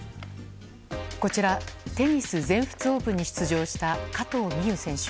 こちら、テニス全仏オープンに出場した加藤未唯選手。